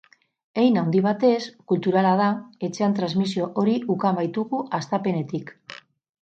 Hein handi batez kulturala da, etxean transmisio hori ukan baitugu hastapenetik.